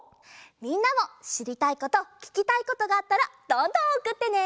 みんなもしりたいことききたいことがあったらどんどんおくってね！